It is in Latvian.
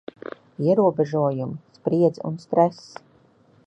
Ierobežojumi, spriedze un stress.